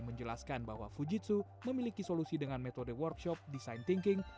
menjelaskan bahwa fujitsu memiliki solusi dengan metode workshop design thinking